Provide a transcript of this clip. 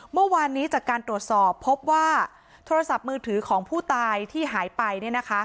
เมื่อวานนี้จากการตรวจสอบพบว่าโทรศัพท์มือถือของผู้ตายที่หายไป